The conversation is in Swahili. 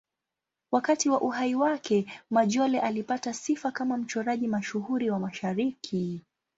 Wakati wa uhai wake, Majolle alipata sifa kama mchoraji mashuhuri wa Mashariki.